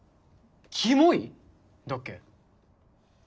「キモイ」だっけ？